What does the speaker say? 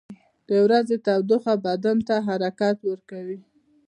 • د ورځې تودوخه بدن ته حرکت ورکوي.